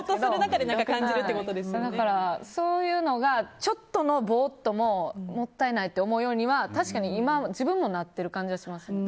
だから、そういうのがちょっとのぼーっとももったいないって思うようには確かに今は自分もなってる感じがしますね。